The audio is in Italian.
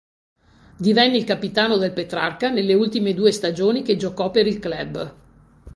Divenne il capitano del Petrarca nelle ultime due stagioni che giocò per il club.